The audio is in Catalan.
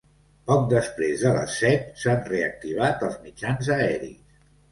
Poc després de les set s’han reactivat els mitjans aeris.